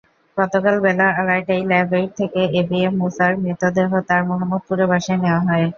গতকাল বেলা আড়াইটায় ল্যাবএইড থেকে এবিএম মূসার মৃতদেহ তাঁর মোহাম্মদপুরের বাসায় নেওয়া হয়।